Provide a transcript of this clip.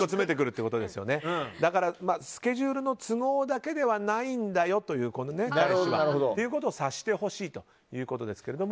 だから、スケジュールの都合だけではないんだよということを察してほしいということですけど。